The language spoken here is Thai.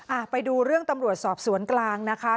ไปดูเรื่องตำรวจสอบสวนกลางนะคะ